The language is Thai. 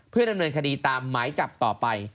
เพื่อดำเนินคดีตามหมายจับต่อไป